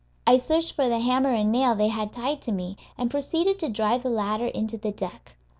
I searched for the hammer and nail they had tied to me, and proceeded to drive the latter into the deck.